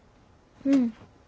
うん。